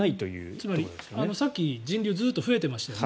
つまり、さっき人流ずっと増えていましたよね。